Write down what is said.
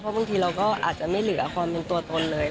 เพราะบางทีเราก็อาจจะไม่เหลือคอมเมนต์ตัวตนเลย